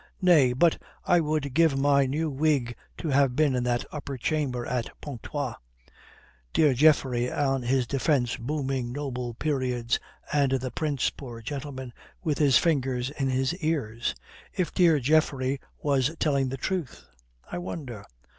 "Nay, but I would give my new wig to have been in that upper chamber at Pontoise. Dear Geoffrey on his defence booming noble periods and the Prince, poor gentleman, with his fingers in his ears! If dear Geoffrey was telling the truth. I wonder."